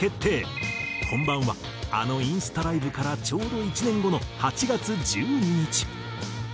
本番はあのインスタライブからちょうど１年後の８月１２日。